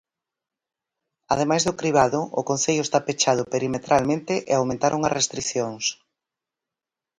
Amais do cribado, o concello está pechado perimetralmente e aumentaron as restricións.